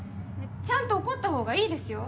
ちゃんと怒ったほうがいいですよ。